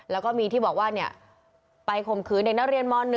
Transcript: แล้วก็มีที่บอกว่าเนี่ยไปคมคืนในนักเรียนม๑